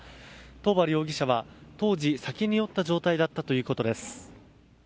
桃原容疑者は当時、酒に酔った状態だったということです。